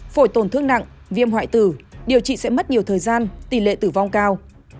phổi tổn thương nặng viêm hoại tử điều trị sẽ mất nhiều thời gian tỷ lệ tử vong cao